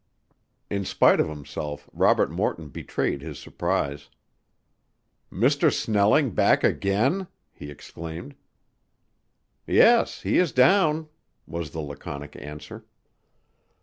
In spite of himself, Robert Morton betrayed his surprise. "Mr. Snelling back again!" he exclaimed. "Yes, he is down," was the laconic answer.